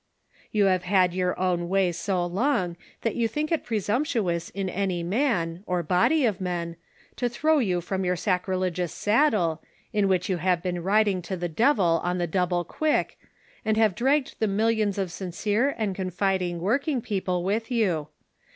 You have had your own way so long that you think it presumptuous in any man, or body of men, to throw you from your sacrilegious saddle, in which you have been riding to the devil on the double quick, and have dragged the millions of sincere and confiding working people with you.